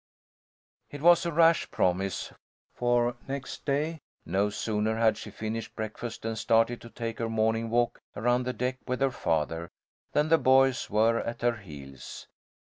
It was a rash promise, for next day, no sooner had she finished breakfast and started to take her morning walk around the deck with her father, than the boys were at her heels.